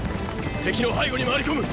敵の背後に回り込む！